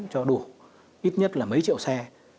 cho đủ ít nhất là mấy triệu xe